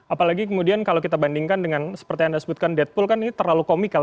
apalagi kemudian kalau kita bandingkan dengan seperti anda sebutkan deadpool kan ini terlalu komikal